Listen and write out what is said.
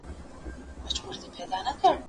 هغه وويل چي بازار ګټور دی!!